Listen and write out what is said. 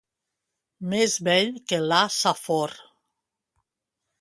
Més vell que la Safor.